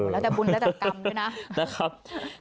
แล้วแต่บุญแล้วแต่กรรมด้วยนะครับ